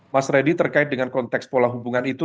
mas reddy terkait dengan konteks pola hubungan itu